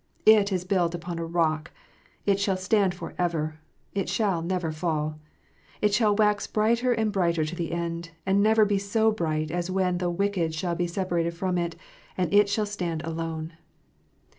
It is built upon a rock. It shall stand for ever. It shall never fall. It shall wax brighter and brighter to the end, and never be so bright as when the wicked shall be separated from it, and it shall stand alone.